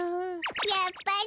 やっぱり。